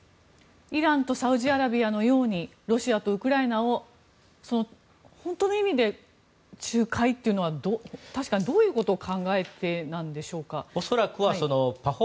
イランとサウジアラビアのようにロシアとウクライナを本当の意味で仲介というのは確かに、どういうことを考えてなんでしょうか。